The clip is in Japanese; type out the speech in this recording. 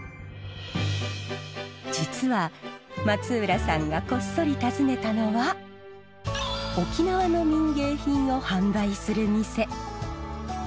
実は松浦さんがこっそり訪ねたのは沖縄の民芸品を販売する店。